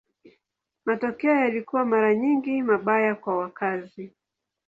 Matokeo yalikuwa mara nyingi mabaya kwa wakazi.